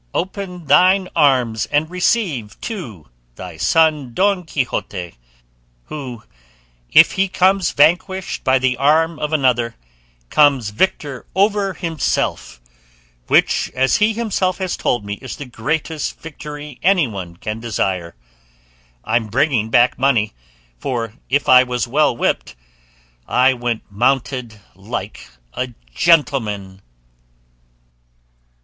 Open thine arms and receive, too, thy son Don Quixote, who, if he comes vanquished by the arm of another, comes victor over himself, which, as he himself has told me, is the greatest victory anyone can desire. I'm bringing back money, for if I was well whipped, I went mounted like a gentleman."